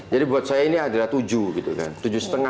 jadi buat saya ini adalah tujuh gitu kan